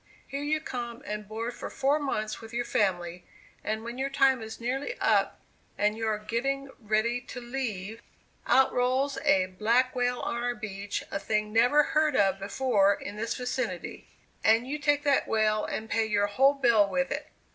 Here you come and board for four months with your family, and when your time is nearly up, and you are getting ready to leave, out rolls a black whale on our beach, a thing never heard of before in this vicinity, and you take that whale and pay your whole bill with it!